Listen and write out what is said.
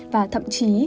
và thậm chí